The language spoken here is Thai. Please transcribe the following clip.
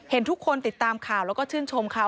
เห็นทุกคนติดตามข่าวแล้วก็ชื่นชมเขา